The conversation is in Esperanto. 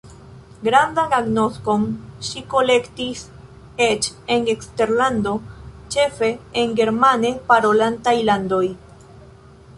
Grandan agnoskon ŝi kolektis eĉ en eksterlando, ĉefe en germane parolantaj landoj.